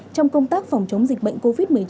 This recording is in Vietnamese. trong công tác phòng chống dịch bệnh covid một mươi chín